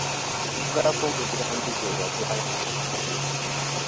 Njagala kungulira mbuzi eyazaalako.